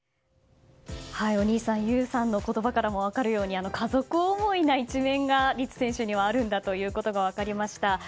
お兄さん、憂さんの言葉からも分かるように家族思いな一面が律選手にはあるんだということが分かりました。